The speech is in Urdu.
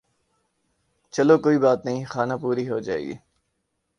چلو کوئی بات نہیں خانہ پوری ھو جاے گی